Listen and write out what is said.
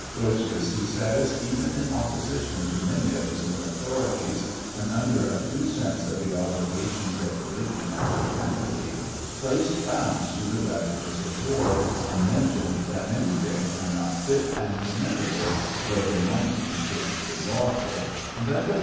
" Grotious" he says, " even in opposition to many of his own authorities and under a due sense of the obligations of religion and humanity, placed bounds to the ravages of war, and mentioned, that many things were not fit and commendable, though they might be strictly lawful ; and that the la?